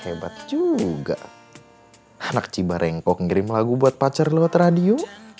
hebat juga anak cibarengkok ngirim lagu buat pacar lewat radio